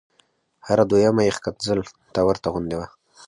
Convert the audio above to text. هره دویمه یې ښکنځل ته ورته غوندې وه.